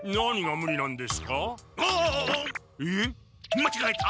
まちがえたんっ！